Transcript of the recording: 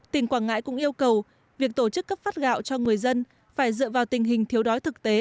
tỉnh quảng ngãi cũng yêu cầu việc tổ chức cấp phát gạo cho người dân phải dựa vào tình hình thiếu đói thực tế